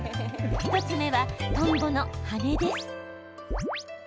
１つ目はトンボの羽です。